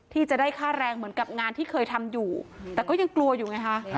ที่จะได้ค่าแรงเหมือนกับงานที่เคยทำอยู่แต่ก็ยังกลัวอยู่ไงคะ